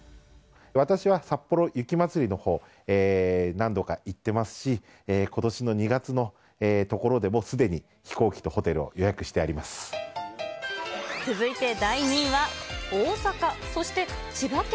私はさっぽろ雪まつりのほう、何度か行っていますし、ことしの２月のところでも、すでに飛行機とホテルを予約して続いて第２位は大阪、そして千葉県。